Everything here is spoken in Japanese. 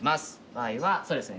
場合はそうですね。